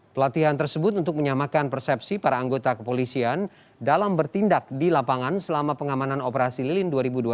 pelatihan tersebut untuk menyamakan persepsi para anggota kepolisian dalam bertindak di lapangan selama pengamanan operasi lilin dua ribu dua puluh